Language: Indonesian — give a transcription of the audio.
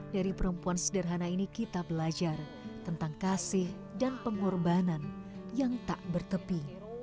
dari perempuan sederhana ini kita belajar tentang kasih dan pengorbanan yang tak bertepi